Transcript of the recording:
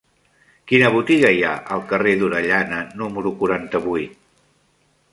Quina botiga hi ha al carrer d'Orellana número quaranta-vuit?